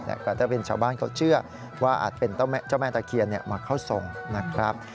แต่ถ้าเป็นชาวบ้านเขาเชื่อว่าอาจเป็นเจ้าแม่ตะเคียนมาเข้าทรงนะครับ